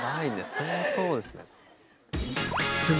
相当ですね。